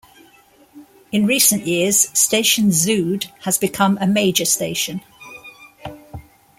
In recent years Station Zuid has become a major station.